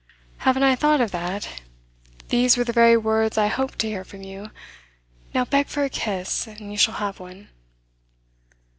'Haven't I thought of that? These were the very words I hoped to hear from you. Now beg for a kiss, and you shall have one.